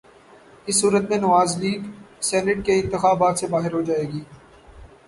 اس صورت میں Nawaz league senate کے انتخابات سے باہر ہو جائے گی۔